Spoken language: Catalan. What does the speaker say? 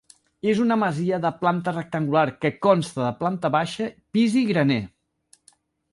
És una masia de planta rectangular que consta de planta baixa, pis i graner.